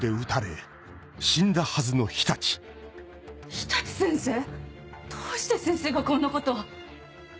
常陸先生⁉どうして先生がこんなことを！